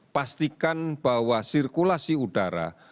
pastikan bahwa sirkulasi udara